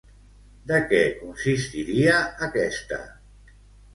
De què consistiria aquesta?